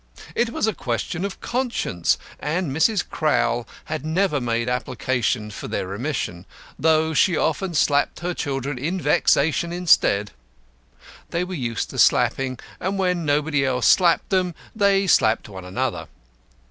It was a question of conscience, and Mrs. Crowl had never made application for their remission, though she often slapped her children in vexation instead. They were used to slapping, and when nobody else slapped them they slapped one another.